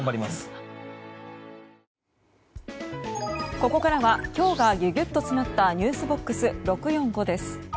ここからは今日がギュギュッと詰まったｎｅｗｓＢＯＸ６４５です。